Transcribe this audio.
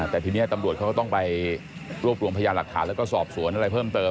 แต่ทีนี้ตำรวจเขาก็ต้องไปรวบรวมพยานหลักฐานแล้วก็สอบสวนอะไรเพิ่มเติม